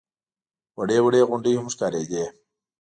وړې وړې غونډۍ هم ښکارېدې.